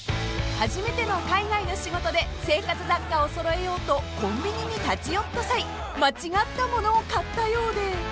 ［初めての海外の仕事で生活雑貨を揃えようとコンビニに立ち寄った際間違ったものを買ったようで］